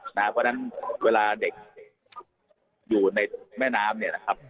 เพราะฉะนั้นเวลาเด็กอยู่ในแม่น้ำเนี่ยนะครับ